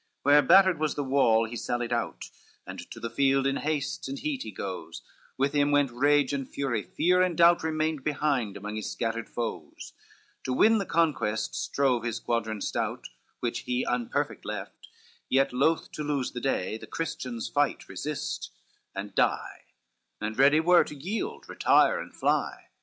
LXXXII Where battered was the wall he sallied out, And to the field in haste and heat he goes, With him went rage and fury, fear and doubt Remained behind, among his scattered foes: To win the conquest strove his squadron stout, Which he unperfect left; yet loth to lose The day, the Christians fight, resist and die, And ready were to yield, retire and fly.